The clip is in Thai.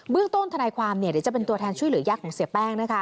เบื้องต้นธนายความจะเป็นตัวแทนช่วยเหลือยากของเสียแป้ง